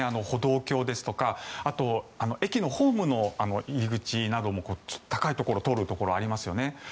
歩道橋ですとかあと駅のホームの入り口なども高いところを通るところがありますよね。